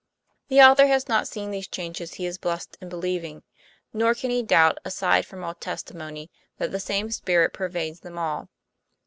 The author has not seen these changes he is blessed in believing. Nor can he doubt, aside from all testimony, that the same spirit pervades them all.